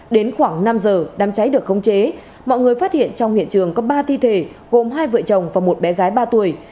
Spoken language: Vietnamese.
đến khoảng năm giờ đám cháy được khống chế mọi người phát hiện trong hiện trường có ba thi thể gồm hai vợ chồng và một bé gái ba tuổi